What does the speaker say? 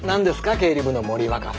経理部の森若さん。